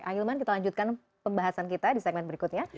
ahilman kita lanjutkan pembahasan kita di segmen berikutnya